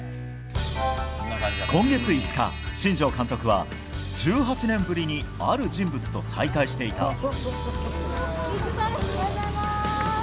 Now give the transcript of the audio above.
今月５日、新庄監督は１８年ぶりにある人物と再会していた。